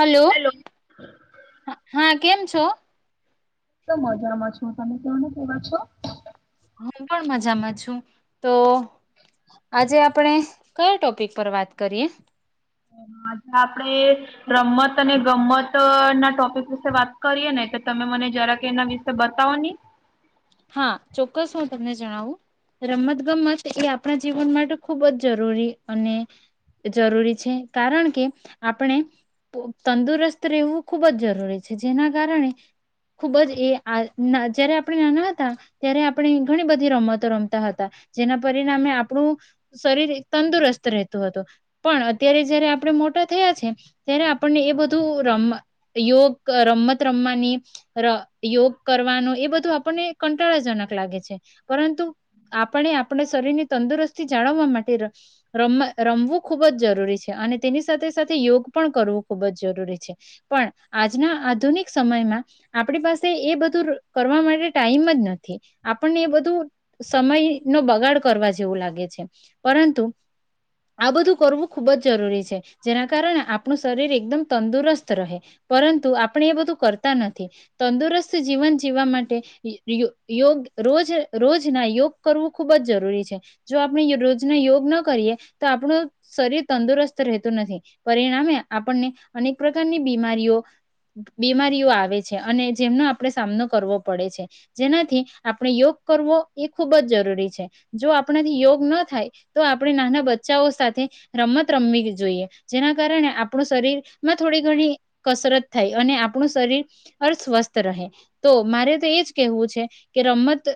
Hello hello તો હા કેમ છે તો તો મજામાં છ સમુ્ર ન પૂરા છો. હું પણ મજામાં છું તો આજે આપણે કયા ટોપિક પર વાત કરીએ. આજે આપણેે રમત અને ગમ્મત ના ટોપિક વિશે વાત કરીય ને તો તમે મને જરા કે એના વિશે બતાવો ને. હા ચોક્કસ હું તમને જણાવું રમત ગમત એ આપણા જીવન માટે ખૂબ જ જરૂરી અને જરૂરી છે કારણ કે આપણે તંદુરસ્ત રહેવું ખૂબ જ જરૂરી છે જેના કારણે ખૂબ જ એ જયારે આપણે નાના ત્યારે આપણે ઘણી બધી રમતો રમતા હતા જેના પરિણામે આપણું શરીર તંદુરસ્ત રહેતું હતું પણ અત્યારે જયારે આપણે મોટા થયા છે ત્યારે આપણને એ બધું રમ યોગ રમત રમવાની યોગ કરવાનું એ બધું આપણને કંટાળાજનક લાગે છે પરંતુ આપણે આપણે શરીરની તંદુરસ્તી જાળવવા માટે રમ રમવું ખૂબ જ જરૂરી છે અને તેની સાથે સાથે યોગ પણ કરવું ખૂબ જ જરૂરી છે પણ આજના આધુનિક સમયમાં આપણી પાસે એ બધું કરવા માટે ટાઈમ જ નથી આપણને એ બધું સમય નો બગાડ કરવા જેવું લાગે છે પરંતુ આ બધું કરવું ખુબ જ જરૂરી છે જેના કારણે આપણું શરીર એકદમ તંદુરસ્ત રહે પરંતુ આપણે એ બધું કરતા નથી તંદુરસ્ત જીવન જીવવા માટે યોગ રોજ રોજના યોગ કરવું ખુબ જ જરૂરી છે જો આપણે રોજના યોગ ન કરીએ તો આપણું શરીર તંદુરસ્ત રહેતું નથી પરિણામે આપણને અનેક પ્રકારની બીમારીઓ બીમારીઓ આવે છે અને જેમનો આપણે સામનો કરવો પડે છે. જેનાથી આપણે યોગ કરવો એ ખુબ જ જરૂરી છે જો આપણાથી યોગ ન થાય તો આપણે નાના બચ્ચાઓ સાથે રમત રમવી જોઈએ જેના કારણે આપણું શરીરમાં થોડી ઘણી કસરત થાય અને આપણું શરીર અર્થવસ્થ રહે તો મારે તો એજ વું કે રમત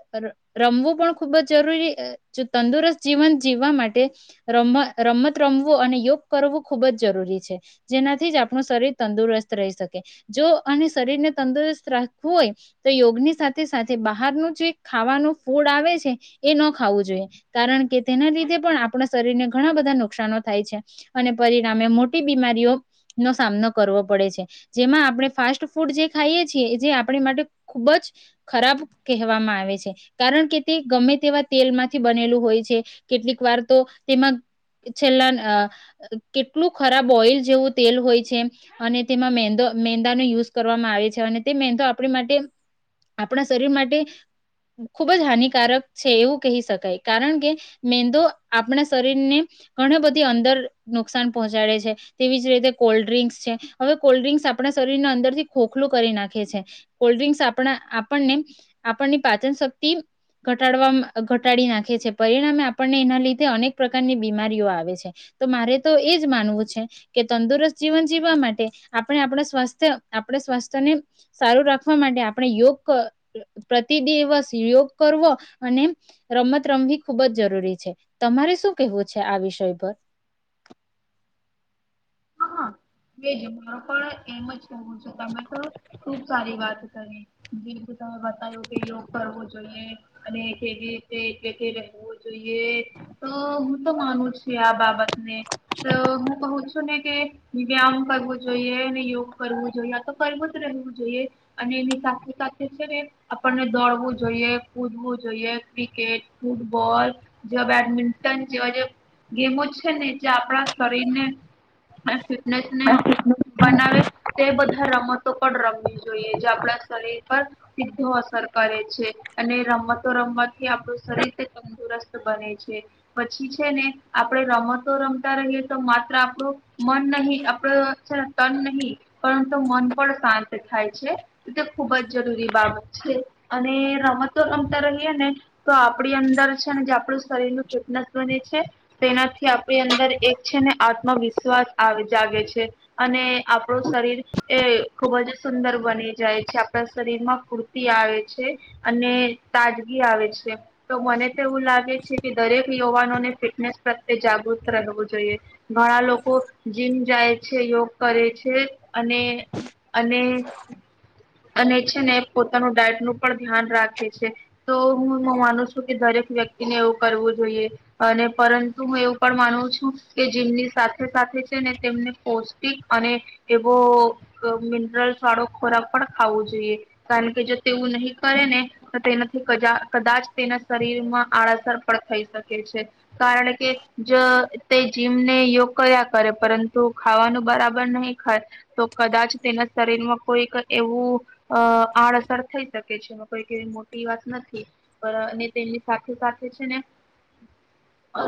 રમવું પણ ખૂબ જ જરૂરી જો તંદુરસ્ત જીવન જીવવા માટે ર રમત રમવું અને યોગ કરવું ખૂબ જ જરૂરી છે જેનાથી જ આપણું શરીર તંદુરસ્ત રહી શકે જો આ શરીરને તંદુરસ્ત રાખવું હોય તો યોગની સાથે સાથે બહારનું જે ખાવાનું ફૂડ આવે છે એ ન ખાવું જોઈએ કારણ કે તેના લીધે પણ આપણા શરીરને ઘણા બધા નુકશનો થાય છે અને પરિણામે મોટી બીમારીઓનોો સામનો કરવો પડે છે જેમાં આપણે ફાસ્ટ ફૂડ જે ખાઈએ છીએ જે આપણી માટે ખૂબ જ ખરાબ કહેવામાં આવે છે. કારણ કે તે ગમે તેવા તેલ માંથી બનેલું હોય છે કેટલીક વાર તો તેમાં છેલ્લા કેટલું ખરાબ ઓઈલ જેવું તેલ હોય છે અને તેમાં મેંદો મેંદાનો યુઝ કરવામાં આવે છે અને તે મેંદો આપણી માટે આપણા શરીર માટે ખુબ જ હાનિકારક છે એવું કહી શકાય કારણ કે મેંદો આપણા શરીરને ઘણી બધી અંદર નુકસાન પહોંચાડે છે તેવી જ રીતે કોલ્ડ્રિકક્સ છે હવે કોલ્ડ ડ્રિંક્સ આપણા શરીરને અંદર થી ખોખલું કરી નાખે છે કોલ્ડ્રિક્સ આપણા આપણ આપણની પાચન શક્તિ ઘટાડવા ઘટાડી નાખે છે પરિણામે આપણને એના લીધે અનેક પ્રકારની બીમારીઓ આવે છે તો મારે તો એજ માનવું છે કે તંદુરસ્ત જીવન જીવવા માટે આપણે આપણા સ્વાસ્થ્ય આપણા સ્વાસ્થ્યને સારું રાખવા માટે આપણે યોગ પ્રતિ દિવસ યોગ કરવો અને રમત રમવી ખૂબ જ જરૂરી છે તમારે શું કેહેવું છે આ વિષય પર બેજ મારો પણ એમ જ કવું છ તમે તો ખુબ સારી વાત હું તમે બતાવું કે યોગ કરવો જોઈએ અને કેવી રીતેલે રહેવું જોઈએ તો હું તો માનું છું આ બાબતને તો હું કઉ છું ને કે વ્યાયામ કરવો જોઈએ યોગ કરવું જોઈએ તો કરવું જ રહેવું જોઈએ. અને એની સાથે સાથે છે ને આપણને દોડવું જોઈએ કૂદવું જોઈએ ક્રિકેટ ફૂટબોલ જેવા બેડમિન્ટન જેવા જે ગેમો છે ને જે આપણા શરીરને હા સ હસને એવ બનાવે તે બધા રમતો પણ રમવી જોઈએ જે આપણા શરીર પર સીધો અસર કર રે છે અને રમતો રમવાથી આપણું શરીર તંદુરસ્ત બને છે. પછી છે ને આપણેે રમતો રમતા રહીએ તો માત્ર આપણું મન નહી આપડું છે ને તન નહી પરંતુ મન પણ શાંત થાય છે, તે ખુબ જ જરૂરી બાબત છે. અને રમતો રમતા રહીએ ને તો આપણી અંદર છે ને જે આપણું શરીર ન ફિટનેસ બને છે તેનાથી આપણી અંદર એક છે ને આત્મવિશ્વાસ આવે જાગે છે અને આપણું શરીર એ ખુબ જ સુંદર બની જાય છે. આપણા શરીર માં કુર્તી આવે છે અને તાજગી આવે છે. તો મને તો એવું લાગે છે કે દરેક યુવાનોને ફિટનેસ પ્રત્યે જાગૃત રહેવું જોઈએ. ઘણા લોકો જીમ જાય છે, યોગ કરે છે અને અને અને છે ને પોતાનું ડાયટ નું પણ ધ્યાન રાખે છે. તો હું એ માનું છું કે દરેક વ્યક્તિને એવું કરવું જોઈએ અને પરંતુ હું એવું પણ માનું છું કે જીમની સાથે સાથેજ છેને તેમને પૌષ્ટિક અને એવો અહ મિનરલસ વાળો ખોરાક પણ ખાવો જોઈએ કારણ કે જો તેવું નહી કરે ને તો તેનાથી કજા કદાચ તેના શરીરમાં આળઅસર પણ થઈ શકે છે. કારણ કે જ તે જીમને યોગ કયા કરે પરંતુ ખાવાનું બરાબર નહી ખાય તો કદાચ તેના શરીરમાં કોઈક એવું અહ આડઅસર થઈ શકે છે. એમાં કઈક એવી મોટી વાત નથી. પડ ને તેની સાથે સાથે છે ને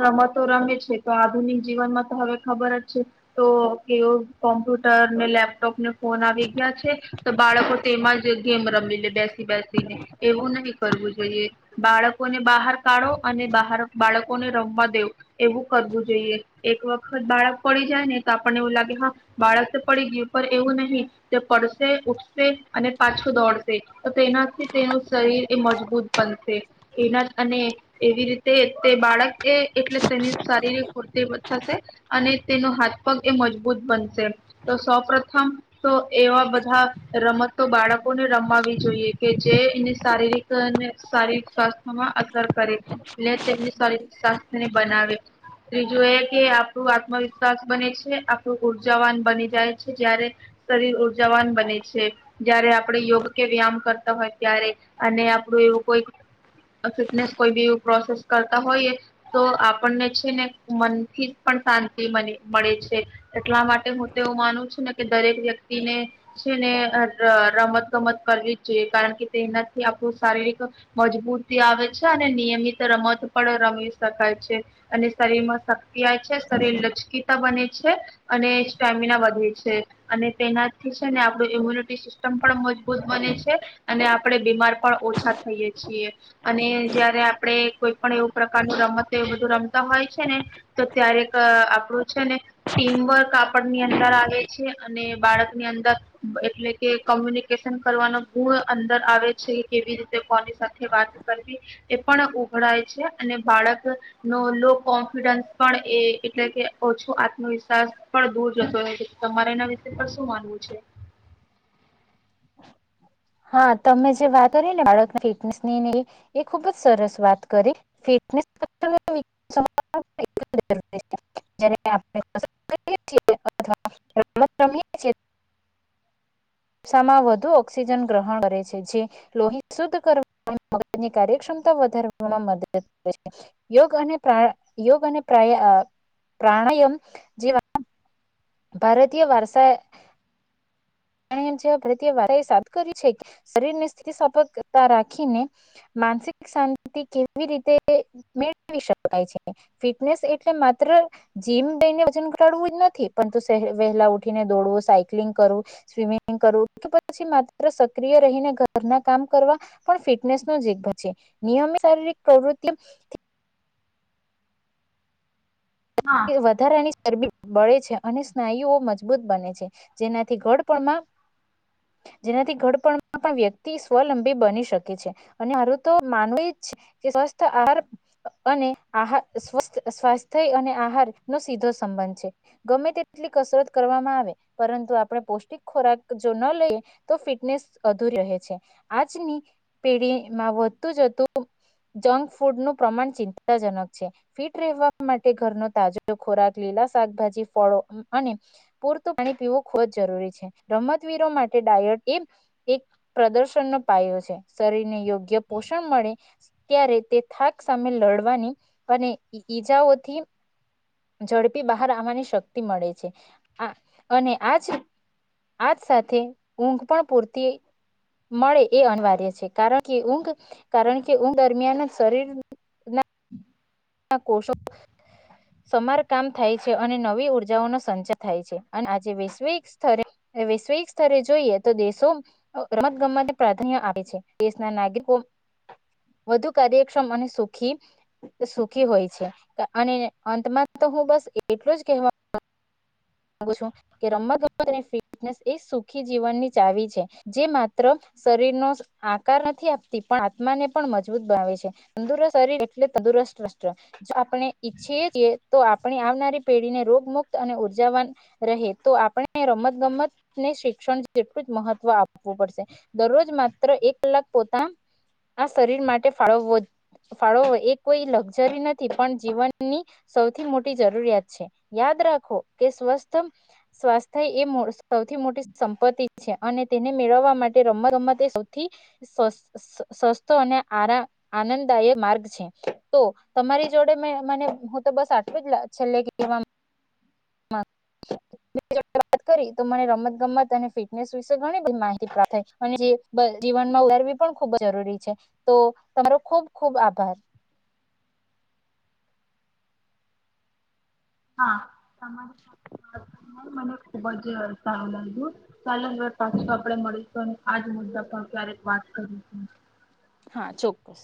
રમતો રમે છે તો આધુનિક જીવનમાં તો હવે ખબર જ છે તો કેવો કોમ્પ્યુટર ને લેપ ટોપ ને ફોન આવી ગયા છે તો બાળકો તેમાં જ ગેમ રમી લે બેસી બેસીને, એવું નહી કરવું જોઈએ. બાળકોને બહાર કાઢો અને બહાર બાળકોને રમવા દેવું એવું કરવું જોઈએ. એક વક ખ બાળક પડી જાય ને તો આપણને એવું લાગે હા બાળક તો પડી ગય પર એવું નહી તે પડશે ઉઠશે અને પાછું દોડશે તો તેનાથી તેનું શરીર એ મજબૂત બનશે. એના અને એવી રીતે તે બાળક એ એટલે તેની શારીરિક ફૂર્તિ થશે અને તેનો હાથ પગ એ મજબૂત બનશે. તો સૌ પ્રથમ તો એવા બધા રમતો બાળકોને રમમાવી જોઈએ, કે જે એને શારીરિક અને શારીરિક સ્વાસ્થ્યમાં અસર કરે. અને તેમની શરીર સ્વાસ્થ્યને બનાવે. ત્રીજું એ કે આપ ડુ આત્મવિશ્વાસ બને છે. આપણું ઉર્જાવાન બની જાય છે, જ્યારે શરીર ઉર્જાવાન બને છે. જયારે આપડે યોગ કે વ્યાયામ કરતા હોય ત્યારે અને આપણું એવું કોઈ ફિટનેસ કોઈ બી એવું પ્રોસેસ કરતા હોઈએ તો આપણને છે ને મનથી પણ શાંતિ મલે મળે છે. એટલા માટે હું તો એવું માનું છું ને કે દરેક વ્યક્તિને છે ને રમત ગમત કરવી જ જોઈએ કારણ કે તેનાથી આપણું શારીરિક મજબૂતી આવે છે અને નિયમિત રમત પણ રમી શકાય છે અને શરીર માં શક્તિ આવે છે શરીર લચકીતા બને છે અને સ્ટેમિના વધે છે અને તેનાથી છે ને આપણું ઇમ્યુનિટી સિસ્ટમ પણ મજબૂત બને છે અને આપણેે બીમાર પણ ઓછા થઈએે છીએ અને જયારે આપણે કોઈ પણ એવું પ્રકારનું રમતો એું બધું રમતા હોય છે ને તો ત્યારેક આપણું છે ને ટીમવર્ક આપણની અંદર આવે છે અને બાળકની અંદર એટલે કે કોમ્યુનિકેશન કરવાનો ગુણ અંદર આવે છે કેવી રીતે કોની સાથે વાત કરવી એ પણ ઉઘડાય છે અને બાળક નો લો કોન્ફિડન્સ પણ એ એટલે કે ઓછો આત્મવિશ્વાસ પણ દૂર જતો તમારે ના તે પર શું માનવું છે હા તમે જે વાત કરી ને બાળક ફિટનેસ ની એ ખુબ જ સરસ વાત કરી [unintelligible] વઘુ ઓક્સિજન ગ્રહણ કરે છે જે લોહી શુદ્ધ કરવા મની કાર્યક્ષમતા વધારવામાં મદદ કરે છે યોગ અને યોગ અને પ્ર પ્રાણાયામ જેવા ભારતીય વાર્ષા ભારતીય વાર્તાએ સાદ કરી છે શરીર ને સ્થિપકતા રાખીને માનસિક શાંતિ કેવી રીતે મેળવી શકાય છે ફિટનેસ એટલે માત્ર જીમ દઈને વજન ઘટાડવું જ નથી પરંતુ વહેલા ઉઠીને દોડવું સાયકલિંગ કરવું સ્વિમિંગ કરવું કે પછી માત્ર સક્રિય રહીને ઘરના કામ કરવા પણ ફિટનેસ નો જ છે નિયમિત શારીરિક પ્રવૃતિ એ વધારાની ચરબી બળે છે અને સ્નાયુઓ મજબૂત બને છે જેનાથી ઘડપણમાં જેનાથી ઘડપણમાં પણ વ્યક્તિ સ્વલંબી બની શકે છે અને હરું તો માનવું જ કે સ્વસ્થ આહાર અને આહારવથ સ્વાસ્થ્ય અનેાર હારુ, નો સીધો સંબંધ છે ગમે તેટલી કસરત કરવામાં આવે પરંતુ આપણે પૌષ્ટિક ખોરાક જો ન લઈએ તો ફિટનેસ અધૂરુ રહે છે આજની પેઢીમાં વધતું જતું જંક ફૂડ નું પ્રમાણ ચિંતાજનક છે ફિટ રહેવા માટે ઘરનો તાજો ખોરાક લીલા શાકભાજી, ફળો અને પૂરતું પાણી પીવું ખૂબ જ જરૂરી છે રમતવીરો માટે ડાયટ એ એક પ્રદર્શન નો પાયો છે શરીર ને યોગ યોગ્ય પોષણ મળે ત્યારે તે થાક સામે લડવાની અને ઈજાઓથી ઝડપી બહાર આવવાની શક્તિ મળે છે આ અને આજ આજ સાથે ઊંઘ પણ પૂરતી મળે એ અનિવાર્ય છે કારણ કે ઊંઘ કારણ કે ઊંઘ દરમિયાન શરીર કોષો સમારકામ થાય છે, અને નવી ઉર્જાઓનો સંચાર થાય છે, અને આજે વૈશ્વિક સ્તરે વૈશ્વિક સ્તરે જોઈએ તો દેશો રમત ગમત પ્રાધાન્ય આપે છે, દેશના નાગરિકો વધુ કાર્યક્ષમ અને સુખી સુખી હોય છે અને અંતમાં તો હું બસ એટલું જ કહેવા માગુ છું કે રમત ગમત ને ફિટનેસ એ સુખી જીવનની ચાવી છે, જે માત્ર શરીરનો આકાર નથી આપતી પણ આત્માને પણ મજબૂત બનાવે છે, તંદુરસ્ત શરીર એટલે તંદુરસ્ત રાષ્ટ્ર, જો આય પણે ઈચ્છીએ છીએ તો આપ પણી આવનારી પેઢીને રોગમુુક્ત અને ઉ જવાન રહે, તો આપણે રમત ગમતને શિક્ષણ જેટલું જ મહત્વ આપવું પડશે, દરરોજ માત્ર એક કલાક પોતાના આ શરીર માટે ફાળવવો જ ફાળવવો એ કોઈ લક્ઝરી નથી પણ જીવનની સૌથી મોટી જરૂરિયાત છે, યાદ રાખો કે સ્વસ્થ સ્વાસ્થય એ મો સૌથી મોટી સંપત્તિ જ છે. અને તેને મેળવવા માટે રમત ગમત એ સૌથી સસ્ સસ્તો અને આરા આનંદદાયક માર્ગ છે, તો તમારી જોડે મેં મને હું તો બસ આટલું જ લ છેલ્લે કે કહેવા માં વાત કરી તો મને રમત ગમત અને ફિટનેસ વિશે ઘણી બધી માહિતી પ્રાપ્ત થઈ અને જે જીવનમાં ઉતારવી પણ ખુબ જરૂરી છે, તો તમારો ખુબ ખુબ આભાર. હા તમારી પા વાત [inaudible] મને ખુબ જ સારું લાગ્યું, ચાલો વાર પાછું આપડે મળીશું આજ મુદ્દા પર ક્યારેક વાત કરીુંશું હા, ચોક્કસ.